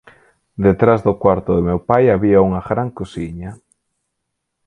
Detrás do cuarto do meu pai había unha gran cociña